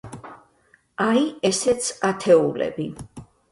აი, ესეც ათეულები.